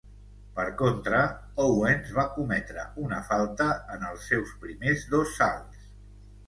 Per contra, Owens va cometre una falta en els seus primers dos salts.